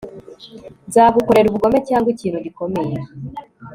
nzagukorera ubugome cyangwa ikintu gikomeye